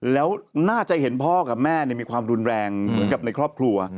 แล้วน่าจะเห็นพ่อกับแม่มีความรุนแรงเหมือนกับในครอบครัว